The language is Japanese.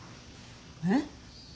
えっ？